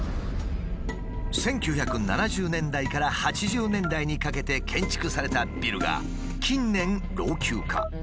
１９７０年代から８０年代にかけて建築されたビルが近年老朽化。